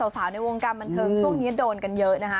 สาวในวงการบันเทิงช่วงนี้โดนกันเยอะนะคะ